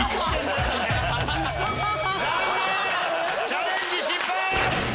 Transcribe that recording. チャレンジ失敗。